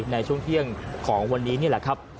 ในช่วงเที่ยงของวันนี้นี่แหละครับ